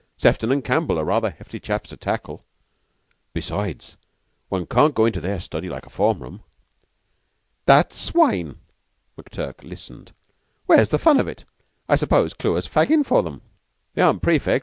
"Sefton and Campbell are rather hefty chaps to tackle. Besides, one can't go into their study like a form room." "What swine!" McTurk listened. "Where's the fun of it? I suppose Clewer's faggin' for them." "They aren't prefects.